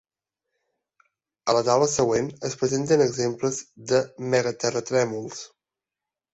A la taula següent es presenten exemples de megaterratrèmols.